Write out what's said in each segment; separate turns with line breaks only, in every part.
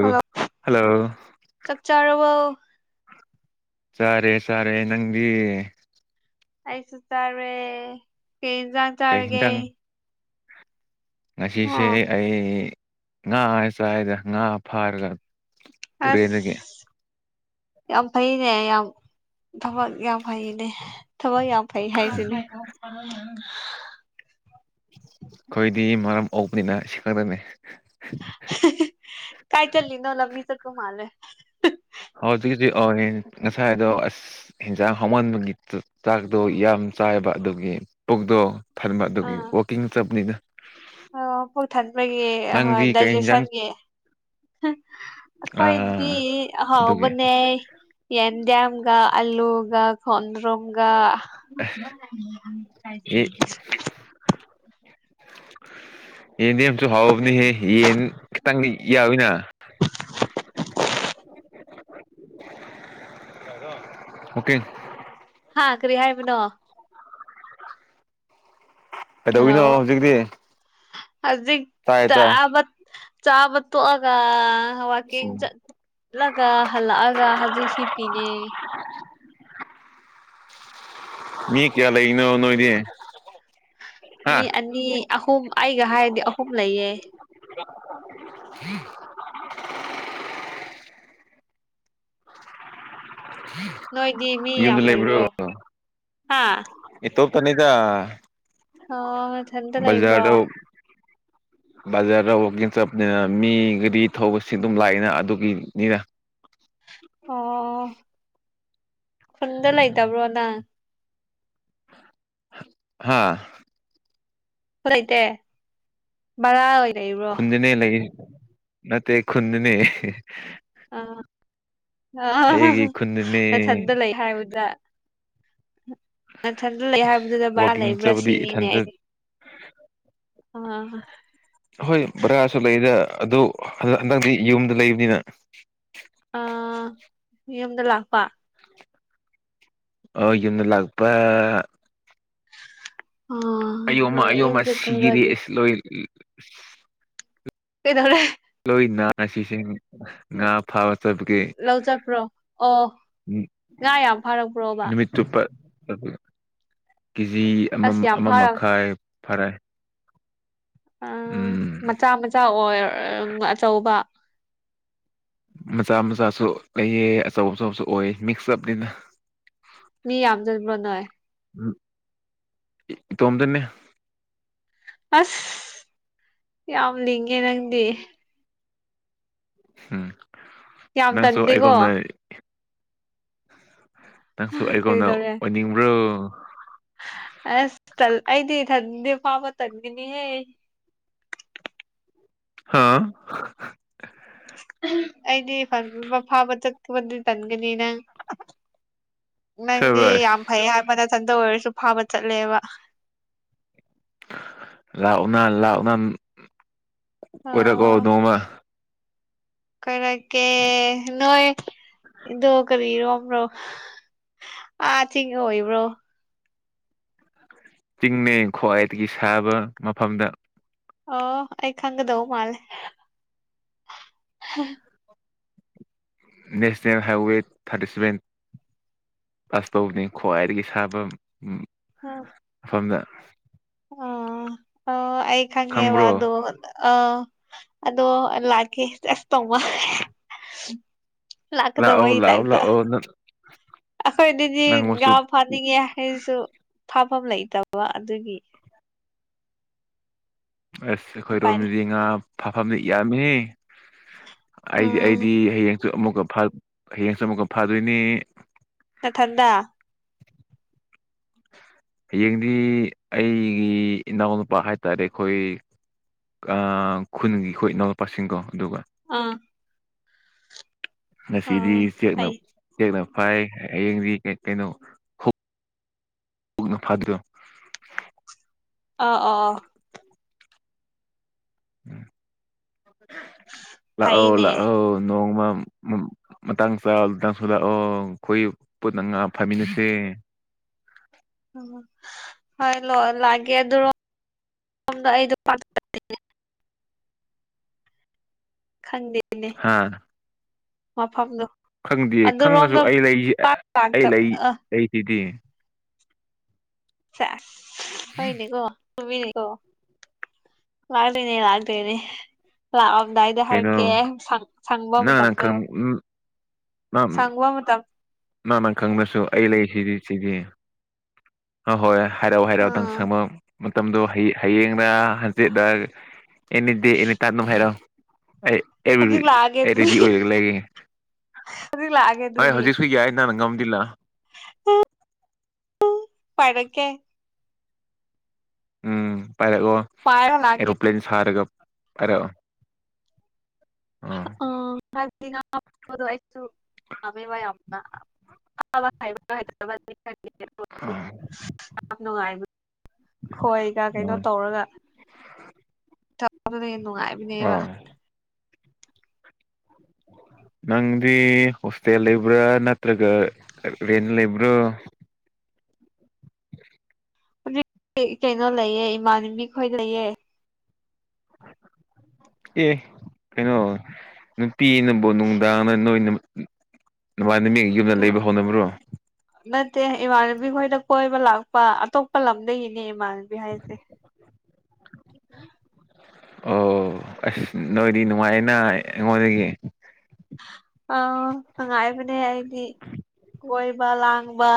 hello
hello
ꯆꯞ ꯆꯥꯔꯕꯣ
ꯁꯥꯔꯦ ꯁꯥꯔꯦ ꯅꯪꯗꯤ
ꯑꯩꯁꯨ ꯆꯥꯔꯨꯔꯦ ꯀꯩ ꯌꯦꯟꯁꯥꯡ
ꯀꯩ
ꯆꯥꯔꯒꯦ
ꯌꯦꯟꯖꯥꯡ
ꯍꯥ
ꯉꯁꯤꯁꯦ ꯑꯩ ꯉꯥ ꯆꯥꯏꯗ ꯉꯥ ꯐꯥꯔꯒ
ꯑꯁ
ꯇꯨꯔꯦꯟꯗꯒꯤ
ꯌꯥꯝ ꯐꯩꯅꯦ ꯌꯥꯝ ꯊꯕꯛ ꯌꯥꯝ ꯐꯩꯅꯦ ꯊꯕꯛ ꯌꯥꯝ ꯐꯩ ꯍꯥꯏꯁꯤꯅꯦ [unintelligible]
ꯑꯩꯈꯣꯏꯗꯤ ꯃꯔꯝ ꯑꯕꯅꯤꯅ ꯁꯤ ꯈꯪꯗꯅꯦ
ꯀꯥꯏ ꯆꯜꯂꯤ ꯅꯧ ꯂꯃꯤ ꯆ ꯀꯨ ꯃꯥꯂ
ꯍꯧꯖꯤꯛꯖꯤꯛ ꯑꯣꯏꯅꯦ ꯉꯁꯥꯏꯗꯣ ꯑꯁ ꯌꯦꯟꯖꯥꯡ ꯍꯧꯃꯟꯕꯒꯤ ꯆꯥꯛꯗꯣ ꯌꯥꯝ ꯆꯥꯏꯕ ꯑꯗꯨꯒꯤ ꯄꯨꯛꯗꯣꯛ ꯊꯟꯕ ꯑꯗꯨꯒꯤ ꯀꯋꯣꯀꯤꯡ ꯆꯞꯄꯅꯤꯅ
ꯑꯣ ꯄꯨꯣꯛ ꯊꯟꯕꯒꯤ ꯑꯍꯣꯏ
ꯅꯪꯗꯤ ꯀꯩ ꯌꯦꯟꯖꯥꯡ
ꯗꯥꯏꯖꯦꯁꯟꯒꯤ
ꯑ
ꯑꯩꯈꯣꯏꯗꯤ
ꯑꯗꯨꯒꯤ
ꯑꯍꯥꯎꯕꯅꯦ ꯌꯦꯟꯗꯤꯦꯝ ꯑꯜꯂꯨꯒ ꯈꯨꯗ꯭ꯔꯒ ꯀ
ꯑꯦ ꯌꯦꯟꯗꯤ ꯌꯥꯝꯁꯨ ꯍꯥꯎꯕꯅꯤꯍꯦ ꯌꯦꯟ ꯈꯤꯇꯪꯗꯤ ꯌꯥꯋꯤꯅ
[unintelligible]
ꯑꯣꯀꯦ
ꯑꯥ ꯀꯔꯤ ꯍꯥꯏꯕꯅꯣ ꯍꯜꯂꯣ
ꯀꯩꯗꯧꯋꯤꯅꯣ ꯍꯧꯖꯤꯛꯇꯤ
ꯍꯧꯖꯤꯛ
ꯇꯥꯏ ꯇꯥꯏ
ꯆꯥꯕ ꯆꯥꯕ ꯇꯣꯛꯑꯒ ꯋꯥꯋꯥꯛꯀꯤꯡ ꯆꯠꯂꯒ ꯍꯜꯂꯛꯑꯒ ꯍꯧꯖꯤꯛꯁꯤ ꯄꯤꯅꯦ
ꯃꯤ ꯀꯌꯥ ꯂꯩꯅꯣ ꯅꯣꯏꯅꯦ
ꯃꯤ ꯑꯅꯤ ꯑꯍꯨꯝ ꯑꯩꯒ ꯍꯥꯏꯔꯗꯤ ꯑꯍꯨꯝ ꯂꯩꯌꯦ
ꯎꯝ
ꯅꯣꯏꯗꯤ ꯃꯤ
ꯌꯨꯝꯗ
ꯌꯥꯝ
ꯂꯩꯕ꯭ꯔꯣ
ꯍꯥ
ꯇꯣꯞꯇꯅꯤꯗ
ꯑ ꯃꯊꯟꯇ ꯂꯩꯕ꯭ꯔꯣ
ꯕꯖꯥꯔꯗ ꯋꯀꯤꯡ ꯆꯞꯅꯤꯅ ꯃꯤ ꯒꯥꯔꯤ ꯊꯧꯕꯁꯤ ꯑꯗꯨꯝ ꯂꯥꯛꯑꯏꯅ ꯑꯗꯨꯒꯤꯅꯤꯅ
ꯑꯣ ꯈꯨꯟꯗ ꯂꯩꯇꯕ꯭ꯔꯣ ꯅꯪ
ꯍꯥꯥ
ꯐꯔꯩꯇ ꯔ ꯑꯣꯏ
ꯈꯨꯟꯗꯅꯦ ꯂꯩ ꯅ ꯈꯨꯨꯟꯗꯅꯦ
ꯑ ꯑ
ꯑꯩꯒꯤ ꯈꯨꯟꯗꯅꯦ
ꯅꯊꯟꯗ ꯂꯩ ꯍꯥꯏꯕꯗ ꯎ ꯃꯊꯟꯇ ꯂꯩ ꯍꯥꯏꯕꯗꯨꯗ ꯕꯔꯥ
ꯋꯥꯛꯀꯤꯡ
ꯂꯩꯕ꯭ꯔꯥ
ꯆꯠꯄꯗꯤ
ꯁꯤꯔꯤꯅꯦ
ꯏꯊꯟꯇ
ꯑꯩ ꯑ
ꯍꯣꯏ ꯚꯔꯥꯁꯨ ꯂꯩꯗ ꯑꯗꯨ ꯍꯟꯗꯛ ꯍꯟꯗꯛꯗꯤ ꯌꯨꯝꯗ ꯂꯩꯕꯅꯤꯅ
ꯑ ꯌꯨꯝꯗ ꯂꯥꯛꯄ
ꯑꯣ ꯌꯨꯝꯗ ꯂꯥꯛꯄ
ꯑꯥ
ꯑꯌꯣꯝꯃ
ꯍꯣꯏ
ꯑꯌꯣꯝꯃ
ꯌꯨꯝꯁꯨ
ꯁꯤꯔ‌ꯦ
ꯈꯔꯗꯤ
ꯏꯁ ꯂꯣꯏ ꯏꯁ
ꯀꯩꯗꯧꯔ‌ꯦ
ꯂꯣꯏ ꯅꯥꯁꯤꯁꯤꯡ ꯉꯥ ꯐꯥꯕ ꯆꯠꯕꯒꯤ
ꯂꯧ ꯆꯠꯄ꯭ꯔꯣ ꯑꯣ
ꯎꯝ
ꯉꯥ ꯌꯥꯝ ꯐꯥꯔꯛꯄ꯭ꯔꯣꯕ
ꯅꯨꯃꯤꯠ ꯆꯨꯞꯄ [unintelligible] ꯀꯦꯖꯤ ꯑꯃ
ꯑꯁ ꯌꯥꯝ
ꯑꯃ
ꯐꯥꯔꯛ
ꯃꯈꯥꯏ ꯐꯔꯦ
ꯑ
ꯎꯝ
ꯃꯆꯥ ꯃꯆꯥ ꯑꯣꯏ ꯑꯆꯧꯕ
ꯃꯆꯥ ꯃꯆꯥꯁꯨ ꯂꯩꯌ‌ꯦ ꯑꯆꯧ ꯑꯆꯧꯕꯁꯨ ꯑꯣꯏ ꯃꯤꯛꯁ ꯑꯞꯅꯤꯅ
ꯃꯤ ꯌꯥꯝꯖꯟꯕ꯭ꯔ‌ꯣ ꯅꯣꯏ
ꯎꯝ ꯏ ꯏꯇꯣꯝꯗꯅꯦ
ꯑꯁ ꯌꯥꯝ ꯂꯤꯡꯉꯦ ꯅꯪꯗꯤ
ꯍꯝ
ꯌꯥꯝ
ꯅꯪꯁꯨ
ꯇꯟꯗꯦꯀꯣ
ꯑꯩꯒꯣꯝꯅ ꯅꯪꯁꯨ ꯑꯩꯉꯣꯟꯗ
ꯀꯩꯗꯧꯔꯦ
ꯑꯣꯏꯅꯤꯡꯕ꯭ꯔꯣ
ꯑꯁ ꯇꯜ ꯑꯩꯗꯤ ꯏꯊꯟꯗꯤ ꯐꯥꯕ ꯇꯟꯒꯅꯤꯍꯦ
ꯍꯥ [unintelligible]
ꯑꯩꯗꯤ ꯐꯥꯕ ꯐꯥ ꯐꯥꯕ ꯆꯠ ꯄꯗꯨꯗꯤ ꯇꯟꯒꯅꯤ ꯅꯪ ꯅꯪꯗꯤ
ꯁꯕꯥꯁ
ꯌꯥꯝ ꯐꯩ ꯍꯥꯏꯕꯗ ꯅꯊꯟ ꯇ ꯑꯣꯏꯔꯁꯨ ꯐꯥꯕ ꯆꯠꯂꯦꯕ
ꯑꯥ ꯂꯥꯛꯑꯣꯅꯥ ꯂꯥꯛꯑꯣꯅꯥ ꯀꯣꯏꯔꯛꯑꯣ ꯅꯣꯡꯃ
ꯈꯔ ꯀ‌ꯦ ꯅꯣꯏ ꯗꯣ ꯀꯔꯤꯔꯣꯝꯕ꯭ꯔꯣ ꯑꯥ ꯊꯤꯡ ꯑꯣꯏꯕ꯭ꯔꯣ
ꯆꯤꯡꯅꯦ ꯈ꯭ꯋꯥꯏꯗꯒꯤ ꯁꯥꯕ ꯃꯐꯝꯗ
ꯑ‌ꯣ ꯑꯩ ꯈꯪꯒꯗꯧ ꯃꯥꯜꯂ‌ꯦ
ꯅꯦꯁꯅꯦꯜ ꯍꯥꯏꯋꯦ ꯊꯥꯔꯇꯤ ꯁꯚꯦꯟ ꯑꯁ ꯇꯧꯕꯅꯤ ꯈ꯭ꯋꯥꯏꯗꯒꯤ ꯁꯥꯕ ꯎꯝ ꯃꯐꯝꯗ
ꯑꯝ ꯑꯩ ꯈꯪꯉ‌ꯦꯕ
ꯈꯪꯕ꯭ꯔꯣ
ꯑꯗꯨ ꯑꯗ ꯑ‌ꯣ ꯑꯗꯣ ꯂꯥꯛꯀꯦ ꯖꯁ ꯇꯧꯃ ꯂꯥꯛꯀꯗꯕ
ꯂꯥꯛꯑꯣ
ꯏ ꯇꯥꯏꯞ
ꯂꯥꯛꯑꯣ
ꯇ
ꯂꯥꯛꯑꯣ
ꯑꯩꯈꯣꯏꯗꯗꯤ
ꯅꯪ ꯃꯆꯨ
ꯉꯥ ꯐꯥꯅꯤꯡꯉꯦ ꯍꯥꯏꯔꯁꯨ ꯐꯥꯐꯝ ꯂꯩꯇꯕ ꯑꯗꯨꯒꯤ
ꯑꯁ
ꯎꯄꯥꯏꯅꯦ
ꯑꯩꯈꯣꯏꯔꯣꯝꯗꯗꯤ ꯉꯥ ꯐꯥꯐꯝꯗꯤ ꯌꯥꯝꯃ‌ꯦꯍ‌ꯦ ꯑꯩꯗꯤ
ꯎꯝ
ꯑꯩꯗꯤ ꯍꯌꯦꯡꯁꯨ ꯑꯃꯨꯛꯀ ꯐꯥ ꯍꯌꯦꯡꯁꯨ ꯑꯃꯨꯛꯀ ꯐꯥꯗꯣꯏꯅꯦ
ꯅꯊꯟꯗ
ꯍꯌꯦꯡꯗꯤ ꯑꯩꯒꯤ ꯏꯅꯥꯎꯅꯨꯄꯥ ꯍꯥꯏꯇꯥꯔꯦ ꯑꯩꯈꯣꯏ ꯑ ꯈꯨꯟꯒꯤ ꯑꯩꯈꯣꯏ ꯏꯅꯥꯎꯄꯥꯁꯤꯡꯗꯣ ꯑꯗꯨꯒ
ꯑꯥ
ꯅꯉꯁꯤꯗꯤ
ꯑꯥ ꯐꯩ
ꯆꯦꯛꯅꯞ ꯆꯦꯛꯅꯞ ꯐꯥꯏ ꯍꯌꯦꯡꯗꯤ ꯀ ꯀꯩꯅꯣ ꯍꯨꯛ ꯄꯨꯅ ꯐꯥꯗ꯭ꯔ
ꯑꯥ ꯑꯥ
[unintelligible] ꯎꯝ ꯂꯥꯛꯑꯣ
ꯐꯩꯅꯦ
ꯂꯥꯛꯑꯣ ꯅꯣꯡꯃ ꯎꯝ ꯎꯝ ꯃꯇꯥꯡ ꯆꯥꯕꯗ ꯅꯁꯨ ꯂꯥꯛꯑꯣ ꯑꯩꯈꯣꯏ ꯄꯨꯟꯅ ꯉꯥ ꯐꯥꯃꯤꯟꯅꯁꯦ
ꯍ‌ꯣꯏ ꯂ ꯂꯛꯒꯦ ꯑꯗꯨꯔꯣ ꯁ‌ꯣꯝꯗ ꯑꯩꯗ‌ꯣ ꯄꯥꯠ ꯄꯥꯟ [inaudible] ꯈꯪꯗꯦꯅꯦ
ꯍꯥ
ꯃꯐꯝꯗꯣ
ꯈꯪꯗꯦ ꯈꯪꯂꯁꯨ
ꯑꯗꯨꯔꯣꯝꯗ
ꯑꯩ ꯂꯩꯁꯤ
ꯄꯥꯛ
ꯑꯩ
ꯂꯥꯛꯇꯕ
ꯂꯩ
ꯑ
ꯂꯩꯁꯤꯗꯤ
ꯆ‌ꯦꯁ ꯍ‌ꯣꯏꯅꯦꯀꯣ ꯆꯨꯝꯃꯤꯅ‌ꯦ ꯀ‌ꯣ ꯂꯥꯛꯗꯨꯏꯅꯦ ꯂꯥꯛꯗꯨꯏꯅꯦ ꯂꯥꯛꯑꯝ ꯀꯗꯥꯏꯗ
ꯀꯩꯅꯣ
ꯍꯥꯏꯔꯛꯀꯦ ꯁꯪ ꯁꯪꯕ
ꯅꯪꯅ
ꯃꯇꯝꯗꯣ
ꯈꯪ
ꯁꯪꯕ ꯃꯇꯝ
ꯃꯥ ꯃꯥ ꯈꯪꯗꯁꯨ ꯑꯩ ꯂꯩꯁꯤꯗꯤ ꯁꯤꯗꯤ ꯑ ꯍꯣꯏ ꯍꯥꯏꯔꯥꯎ ꯍꯥꯏꯔꯥꯎꯗꯪ
ꯑꯥ
ꯁꯃꯨ ꯃꯇꯝꯗꯣ ꯍꯌꯦꯡꯗ ꯍꯟꯆꯦꯠ ꯑꯦꯅꯤꯗꯦ ꯑꯦꯅꯤ ꯇꯥꯏꯝ ꯑꯗꯨꯝ ꯍꯥꯏꯔꯛꯣ
ꯍꯧꯖꯤꯛ ꯂꯥꯛꯑꯒꯦ ꯑꯗꯨꯗꯤ
ꯔꯦꯗꯤ ꯑꯣꯏꯔꯒ ꯂꯩꯒꯦ
ꯍꯧꯖꯤꯛ ꯂꯥꯛꯑꯒꯦ
ꯍꯣꯏ ꯍꯧꯖꯤꯛ ꯌꯥꯅ ꯅꯪ ꯉꯒꯝꯗꯤꯂ
ꯄꯔꯀꯦ
ꯎꯝ ꯄꯥꯏꯔꯥꯛꯒꯣ
ꯄꯥꯏꯔ ꯂꯥꯛꯀꯦ
ꯑꯦꯔꯣꯄ꯭ꯂ꯭ꯂꯦꯟ ꯁꯔꯒ ꯑꯔ ꯎ
[unintelligible] ꯍꯗꯕꯥ
ꯑ
ꯌꯥꯝ ꯅꯨꯡꯉꯥꯏꯕ ꯈꯣꯏꯒ ꯀꯩꯅꯣ ꯇꯧꯔꯒ ꯗꯨꯗ ꯍ ꯅꯨꯡꯉꯥꯏꯕꯅꯦꯕ
ꯑꯥ
[unintelligible]
ꯅꯪꯗꯤ ꯍꯣꯁꯇꯦꯜ ꯂꯩꯕ꯭ꯔꯥ ꯅꯠꯇ꯭ꯔꯒ ꯔꯦꯟ ꯂꯩꯕ꯭ꯔꯣ
ꯍꯧꯖꯤꯛ ꯀꯩꯅꯣ ꯂꯩꯌꯦ ꯏꯃꯥꯟꯅꯕꯤ ꯈꯣꯏ ꯂꯩꯌꯦ [inaudible]
ꯑꯦ ꯀꯩꯅꯩꯅꯣ ꯅꯨꯄꯤꯅꯕꯨ ꯅꯨꯡꯗꯥꯡ ꯅꯣꯏꯅ ꯃꯥ ꯅꯨ ꯃꯤ ꯌꯨꯝꯗ ꯂꯩꯕ ꯍꯧꯣꯅꯕ꯭ꯔꯣ
ꯅꯠꯇꯦ ꯏꯃꯥꯟꯅꯕꯤ ꯈꯣꯏꯗ ꯀꯣꯏꯕ ꯂꯥꯛꯄ ꯑꯇꯣꯞꯄ ꯂꯝꯗꯒꯤꯅꯦ ꯃꯥꯜꯕꯤ ꯍꯥꯏꯁꯦ
ꯑꯣ ꯑꯁ ꯅꯣꯏꯗꯤ ꯅꯨꯡꯉꯥꯏꯌꯦꯅ ꯑꯩꯉꯣꯟꯗꯒꯤ
ꯑꯥ ꯅꯨꯡꯉꯥꯏꯕꯅꯦ ꯑꯩꯗꯤ ꯀꯣꯏꯕ ꯂꯥꯡ ꯕ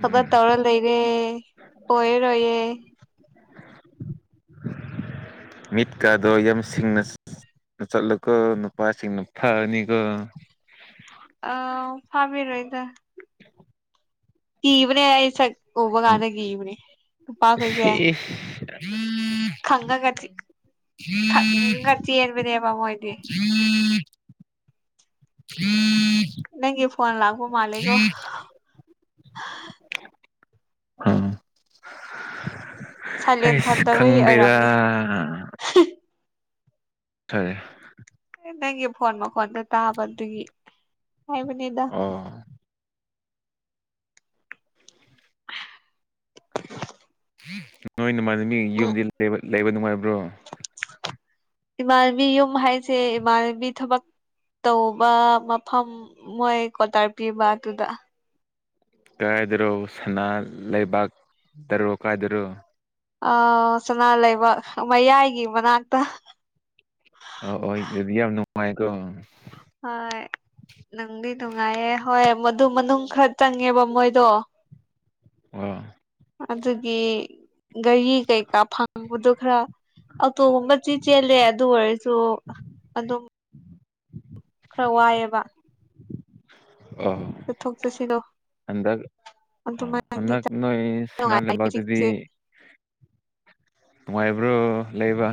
ꯈꯇ ꯇꯧꯔ ꯂꯩꯔꯦ ꯀꯣꯏꯔꯔꯣꯏꯌꯦꯦ [unintelligible]
ꯃꯤꯠꯀꯥꯗꯣ ꯌꯁꯤꯡꯅ ꯆꯠꯂꯀꯣ ꯅꯨꯄꯥꯥꯏꯁꯤꯡ ꯅꯨ ꯐꯥꯅꯤꯀꯣ
ꯑ ꯐꯥꯕꯤꯔꯣꯦꯗ ꯒꯤꯕꯅꯦ ꯁ ꯑꯣ ꯋꯥ ꯀꯥꯗ ꯒꯤꯕꯅꯦ ꯇꯄꯥꯥꯈꯣꯏꯁꯦ ꯈꯪꯉ ꯀ ꯊꯔꯤ ꯈ ꯈꯔꯆꯤꯔꯕꯅꯦꯕꯃꯣ ꯑꯣꯏꯗꯤ ꯅꯪ ꯐꯣꯟ ꯂꯥꯛꯕ ꯃꯥꯂꯤꯒꯣ ꯁꯥꯏꯂꯦꯟ
ꯍꯁ
ꯊꯟꯗꯕꯒꯤ
ꯈꯪꯗꯦꯗ
ꯑꯣꯏꯔꯝꯅꯤ
ꯐꯔ
ꯅꯪꯒꯤ ꯐꯣꯟ ꯃꯈꯣꯟꯗ ꯇꯥꯕ ꯑꯗꯨꯒꯤ ꯍꯥꯏꯕꯅꯤꯗ
ꯑꯣ ꯅꯣꯏ ꯃꯥꯟꯅꯃꯤ
ꯎꯝ
ꯌꯨꯝꯗꯤ ꯂꯩꯕ ꯅꯨꯡꯉꯥꯏꯕ꯭ꯔꯣ
ꯏꯃꯥꯟꯕꯤ ꯌꯨꯝ ꯍꯥꯏꯁꯦ ꯏꯃꯥꯟꯕꯤ ꯊꯕꯛ ꯇꯧꯕ ꯃꯐꯝ ꯃꯣꯏ ꯀꯣꯇꯥꯔ ꯄꯤꯕ ꯑꯗꯨꯗ
ꯀꯥꯏꯗꯔꯣ ꯁꯅꯥ ꯂꯩꯕꯥꯛꯇꯔꯣ ꯀꯥꯏꯗꯔꯣ
ꯑ ꯁꯅꯥ ꯂꯩꯕꯥꯛ ꯃꯌꯥꯏꯒꯤ ꯃꯅꯥꯛꯇ
ꯑ ꯍ ꯑꯗꯨꯗꯤ ꯌꯥꯝ ꯅꯨꯡꯉꯥꯏꯀꯣ
ꯑ ꯅꯪꯗꯤ ꯅꯨꯡꯉꯥꯏꯌꯦ ꯍꯣꯏ ꯃꯗꯨ ꯃꯅꯨꯡ ꯈꯔ ꯆꯪꯉꯦꯕ ꯃꯣꯏꯗꯣ
ꯑ
ꯑꯗꯨꯒꯤ ꯒꯥꯔꯤ ꯀꯩꯀꯥ ꯐꯪꯕꯗꯨ ꯈꯔ ꯑꯇꯣꯒꯨꯝꯕ ꯆ ꯆꯦꯜꯂꯦ ꯑꯗꯨ ꯑꯣꯏꯔꯁꯨ ꯑꯗꯨꯝ ꯈꯔ ꯋꯥꯏꯑꯦꯕ
ꯑ
ꯆꯠꯊꯣꯛ ꯆꯠꯁꯤꯗꯣ
ꯑꯦꯗ ꯑ
ꯑꯗꯨꯃꯥꯏꯅꯗꯤ
ꯑꯛ ꯅꯣꯏ ꯁꯅꯥꯥꯟ ꯂꯕꯗꯗꯤ
ꯆꯤꯛꯁꯦ [unintelligible]
ꯅꯨꯡꯉꯥꯏꯕ꯭ꯔꯣ ꯂꯩꯕ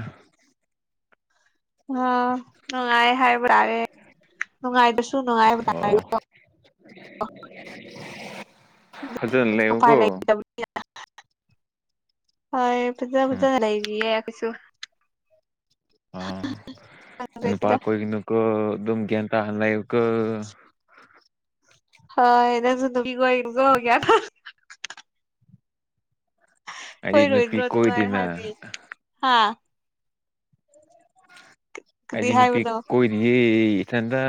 ꯑꯣ ꯅꯨꯡꯉꯥꯏ ꯍꯥꯏꯕ꯭ꯔꯥꯔꯦ ꯅꯨꯡꯉꯥꯏꯗꯨꯁꯨ ꯅꯉꯥꯏ
ꯑꯣ
ꯅ
ꯑꯗꯨꯗ ꯂꯩꯕꯒꯣ
ꯂꯩꯇꯕ ꯍꯣꯏ ꯄꯖꯥ ꯐꯖꯥ
ꯎꯝ
ꯆꯕꯤ ꯀꯩꯁꯨ
ꯑ ꯏ ꯄꯥꯈꯣꯏꯅꯀꯣ ꯑꯗꯨꯝꯒꯤ ꯇꯥꯟ ꯂꯩꯥꯏꯕ ꯀ
ꯑꯗꯁꯨ ꯇ ꯀꯣ ꯏꯀꯣꯒꯌꯥ ꯊ
ꯑꯩꯗꯤ
ꯍꯣꯏ
ꯅꯨꯄꯤ
ꯔꯣꯍꯗ꯭ꯔ ꯇꯨꯃ
ꯀꯣꯏꯗꯦꯅ
ꯍꯥꯏꯗꯤ ꯍꯥꯥ ꯀꯗꯤ
ꯑꯩꯗꯤ ꯅꯨꯄꯤ
ꯍꯥꯏꯕꯗꯣ
ꯀꯣꯏꯅꯤꯌꯦ ꯏꯊꯗ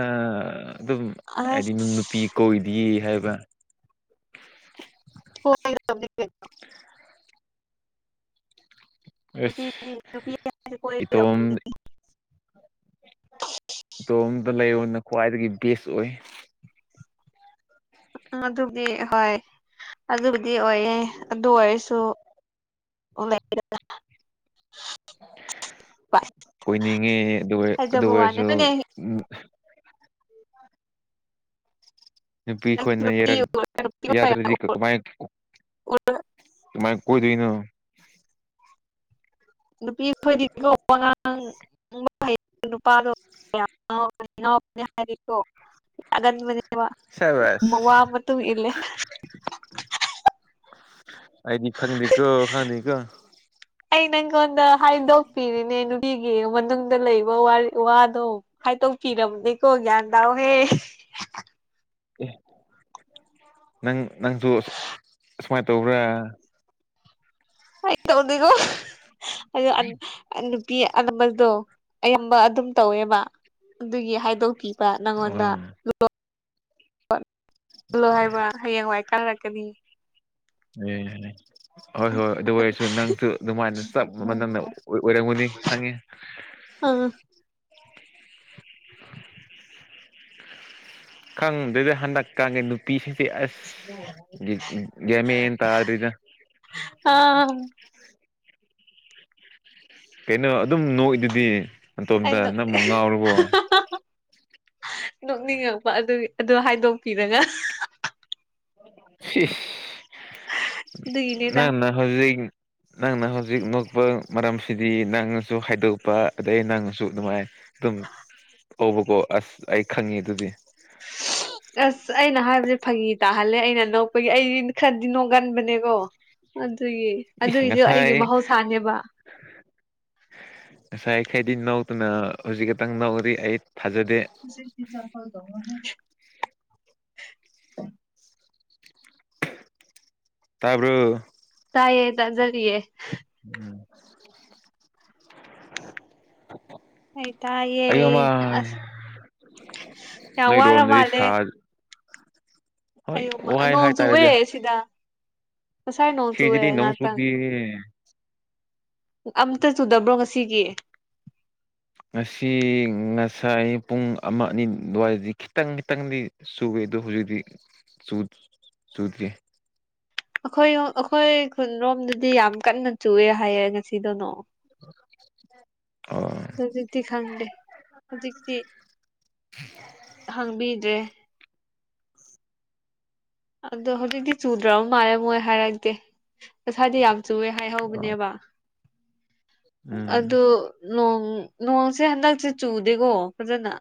ꯑꯗꯨꯝ
ꯑꯁ
ꯍꯥꯏꯗꯤ ꯅꯨꯄꯤ ꯀꯧꯗꯤ ꯍꯥꯏꯕ
ꯍ ꯅꯨ
ꯑꯁ
ꯅꯨ
ꯏꯇꯣꯝ ꯑꯗꯣꯝꯗ ꯂꯩꯔꯅ ꯈ꯭ꯋꯥꯏꯗꯒꯤ ꯕꯦꯁ ꯑꯣꯏ
ꯎ ꯑꯗꯨꯗꯤ ꯍꯣꯏ ꯑꯗꯨꯕꯨꯗꯤ ꯑꯣꯏꯌꯦꯦ ꯑꯗꯨ ꯑꯣꯏꯔꯁꯨ ꯑꯣ ꯃ
ꯑꯣꯏꯣꯏꯅꯤꯡꯉꯦ ꯑꯗꯨ
ꯍꯥꯏꯖꯕ ꯋꯥꯅꯦ
ꯑꯣꯏꯔꯁꯨ ꯎ
ꯍꯣꯏꯅꯦ
ꯅꯨꯄꯤꯈꯣꯏꯅ ꯌꯦꯔ ꯌꯥꯗ꯭ꯔꯗꯤ ꯀꯃꯥꯏ ꯀꯃꯥꯏ ꯀꯣꯏꯗꯅ
ꯅꯨꯄꯤ ꯐꯣꯏꯗꯤꯉ ꯄꯥꯗ ꯍꯥꯏ
ꯁꯕꯥꯁ
ꯎ ꯋꯥ ꯃꯇꯨꯡ ꯏꯜꯂꯦ
ꯑꯩꯗꯤ ꯈꯪꯅꯤ ꯀꯣ ꯈꯪꯅꯤ ꯀ
ꯑꯩ ꯅꯪꯉꯣꯟꯗ ꯍꯥꯏꯗꯣꯛꯄꯤꯔꯤꯅꯦ ꯅꯨꯄꯤꯒꯤ ꯃꯅꯨꯡꯗ ꯂꯩꯕ ꯋꯥꯗꯣ ꯇ ꯐꯤꯔꯝꯅꯤ ꯀꯣꯒ꯭ꯌꯥꯗꯥꯑꯣꯍꯦ
ꯎ ꯅꯪ ꯅꯪꯁꯨ ꯑꯁꯨꯃꯥꯏꯅ ꯇꯧꯕ꯭ꯔꯥ
ꯑꯩ ꯇꯒꯣ ꯄꯤ ꯑꯅꯝꯕꯗꯣ ꯑꯌꯥꯝꯕ ꯑꯗꯨꯝ ꯇꯧꯋꯦꯕ ꯑꯗꯨꯒꯤ ꯍꯥꯏꯗꯣꯛꯄꯤ ꯅꯪꯣꯗ
ꯑꯥ
ꯂꯣ ꯍꯥꯏꯕ꯭ꯔ ꯍꯌꯦꯡꯋꯥꯏ ꯀꯜꯂꯛꯀꯅꯤ
[unintelligible] ꯍꯣꯏ ꯍꯣꯏ ꯑꯗꯨ ꯑꯣꯏꯔꯁꯨ ꯅꯪꯁꯨ ꯑꯗꯨꯃꯥꯏꯅ ꯆꯞ ꯃꯝꯅ ꯑꯣꯏꯔꯝꯒꯨꯅꯤ ꯈꯪꯉꯤ
ꯑꯥ
ꯈꯪꯗꯦꯗꯤ ꯍꯟꯗꯛ ꯀꯪꯉꯦ ꯅꯨꯄꯤꯁ ꯑꯁ ꯒꯦꯃꯤ ꯌꯦꯟ ꯇ ꯑꯗꯨꯗ
ꯑꯥ
ꯀꯩꯅꯣ ꯑꯗꯨꯝ ꯅꯣꯛꯏꯗꯨꯗꯤ ꯅꯇꯣꯝꯇ
ꯑꯩꯅꯣ
ꯅꯪꯕꯨ ꯉꯥꯎꯔꯕꯣ
ꯅꯣꯛꯅꯤꯡꯉꯛꯄ ꯑꯗꯨꯒꯤ ꯑꯗꯨ ꯍꯥꯏꯗꯣꯛꯄꯤꯔꯒ
ꯅ
ꯑꯗꯨꯒꯤꯅꯤꯗ
ꯅ ꯍꯧꯖꯤ ꯅꯪꯅ ꯍꯧꯖꯤꯛ ꯅꯣꯛꯄ ꯃꯔꯝꯁꯤꯗꯤ ꯅꯪꯅꯁꯨ ꯍꯥꯏꯗꯣꯛꯄ ꯑꯗꯩ ꯅꯪꯅꯁꯨ ꯑꯗꯨꯃꯥꯏꯅ ꯑꯗꯨꯝ ꯍꯧꯕꯀꯣ ꯑꯁ ꯑꯩ ꯈꯪꯉꯤ ꯑꯗꯨꯗꯤ
ꯑꯁ ꯑꯩꯅ ꯍꯥꯏꯕꯁ ꯐꯥꯒꯤ ꯇꯥꯍꯜꯂꯦ ꯑꯩꯅ ꯑꯅꯣꯛꯄꯒꯤ ꯑꯩ ꯈꯔꯗꯤ ꯅꯣꯡꯒꯟꯕꯅꯦꯀꯣ ꯑꯗꯨꯒꯤ
ꯏꯁ
ꯑꯗꯨꯏꯗꯤ ꯑꯩꯒꯤ
ꯉꯁꯥꯏ
ꯃꯍꯧꯁꯥꯅꯦꯕ
ꯍꯥꯏꯗꯤ ꯅꯧꯗꯅ ꯍꯧꯖꯤꯛ ꯛꯇꯪ ꯅꯧꯔꯤ ꯑꯩꯠ
ꯏꯁꯦ ꯏꯖꯥꯐꯜ ꯗꯉ ꯍ
ꯇꯥꯔꯕ
ꯇꯥꯏꯌꯦ ꯇꯖꯔꯤꯌꯦ
ꯎꯝ
ꯑꯩ ꯇꯌꯦ
ꯑꯌꯨꯛ ꯑꯃ
ꯑꯁ ꯌꯥ ꯋꯥꯔ
ꯅꯣꯏꯔꯣꯝꯗꯗꯤ
ꯃꯥꯂꯦ
ꯁꯥ ꯍꯣꯏ
ꯑꯩ ꯎ ꯃ
ꯋꯥꯏ
ꯅꯣꯡ ꯆꯨꯋꯦ
ꯍꯥꯏꯇꯥꯔꯦꯗ
ꯁꯤꯗ ꯉꯁꯥꯏ ꯅꯣꯡ ꯆꯨꯋꯦ
ꯁꯤꯗꯗꯤ ꯅꯣꯡ
ꯉꯥꯛ ꯇꯪ
ꯆꯨꯗꯦ
ꯑꯝꯇ ꯆꯨꯗꯕ꯭ꯔꯣ ꯉꯁꯤꯒꯤ
ꯉꯁꯤ ꯉꯁꯥꯏ ꯄꯨꯡ ꯑꯃ ꯑꯅꯤ ꯑꯗꯨꯋꯥꯏꯗꯤ ꯈꯤꯇꯪ ꯈꯤꯇꯪꯗꯤ ꯆꯨꯌꯦ ꯗꯨ ꯍꯧꯖꯤꯛꯇꯤ ꯆꯨ ꯆꯨꯗꯔ꯭ꯤ
ꯑꯩꯈꯣꯏ ꯑꯩꯈꯣꯏ ꯈꯨꯟꯔꯣꯝꯗꯗꯤ ꯌꯥꯝ ꯀꯟꯅ ꯆꯨꯑꯦ ꯍꯥꯏꯌꯦ ꯉꯁꯤꯗꯣ ꯅꯣꯡ
[unintelligible]
ꯍꯨꯖꯤꯛꯇꯤ ꯈꯪꯗꯦ ꯍꯨꯖꯤꯛꯇꯤ ꯍꯪꯕꯤꯗ꯭ꯔꯦ ꯑꯗꯣ ꯍꯧꯖꯤꯛꯗꯤ ꯆꯨꯗ꯭ꯔꯥ ꯃꯥꯔꯦ ꯃꯣꯏ ꯍꯥꯏꯔꯛꯗꯦ ꯉꯁꯥꯏꯗꯤ ꯌꯥꯝ ꯆꯨꯌꯦ ꯍꯥꯏꯍꯧꯕꯅꯦꯕ
ꯎꯝ
ꯑꯗꯨ ꯅꯣꯡ ꯅꯣꯡꯁꯦ ꯍꯟꯗꯛꯁꯦ ꯆꯨꯗꯦꯀꯣ ꯐꯖꯅ